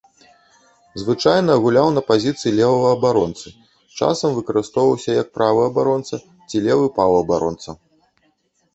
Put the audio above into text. Звычайна гуляў на пазіцыі левага абаронцы, часам выкарыстоўваўся як правы абаронца ці левы паўабаронца.